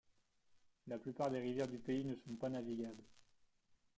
La plupart des rivières du pays ne sont pas navigables.